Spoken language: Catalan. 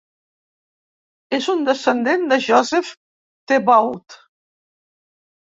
És un descendent de Joseph Thebaud.